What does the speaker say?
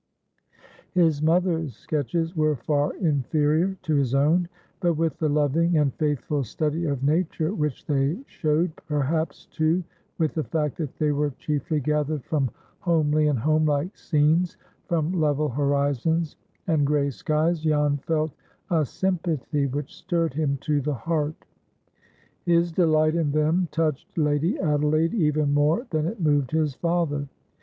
His mother's sketches were far inferior to his own; but with the loving and faithful study of nature which they showed, perhaps, too, with the fact that they were chiefly gathered from homely and homelike scenes, from level horizons and gray skies, Jan felt a sympathy which stirred him to the heart. His delight in them touched Lady Adelaide even more than it moved his father.